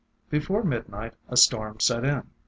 Before midnight a storm set in.